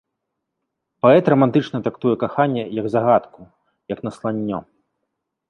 Паэт рамантычна трактуе каханне як загадку, як насланнё.